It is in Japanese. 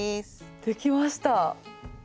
できました。